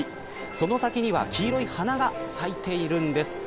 その先には黄色い花が咲いているんです。